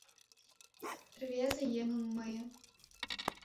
Рвезе еҥым мые